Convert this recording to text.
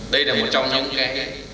đây là một trong những cái